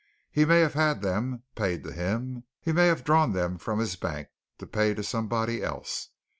He may have had them paid to him. He may have drawn them from his bank, to pay to somebody else.